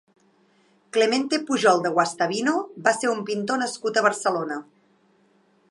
Clemente Pujol de Guastavino va ser un pintor nascut a Barcelona.